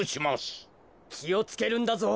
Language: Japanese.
きをつけるんだぞ。